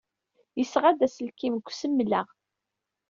Yesɣa-d aselkim seg usmel-a.